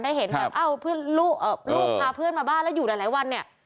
ได้เห็นแบบลูกพาเพื่อนมาบ้านแล้วอยู่หลายวัน